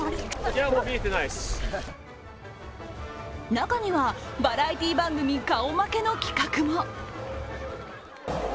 中にはバラエティー番組顔負けの企画も。